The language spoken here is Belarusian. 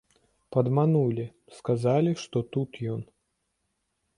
Падманулі, сказалі, што тут ён.